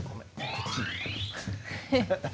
こっち。